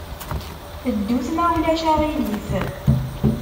Ddut, ma ulac aɣilif.